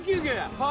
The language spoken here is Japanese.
はい。